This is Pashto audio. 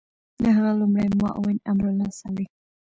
د هغه لومړی معاون امرالله صالح